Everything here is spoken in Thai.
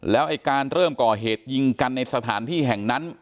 แล้วไอ้การเริ่มก่อเหตุยิงกันในสถานที่แห่งนั้น